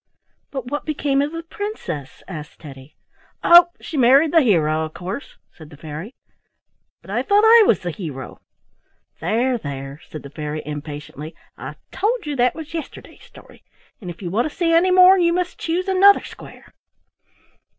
"But what became of the princess?" asked Teddy. "Oh! she married the hero, of course," said the fairy. "But I thought I was the hero." "There, there!" said the fairy, impatiently, "I told you that was yesterday's story, and if you want to see any more you must choose another square."